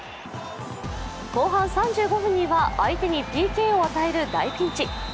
後半３５分には、相手にＰＫを与える大ピンチ。